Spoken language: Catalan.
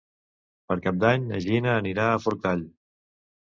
Per Cap d'Any na Gina anirà a Forcall.